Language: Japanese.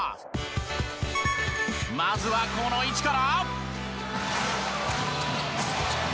まずはこの位置から。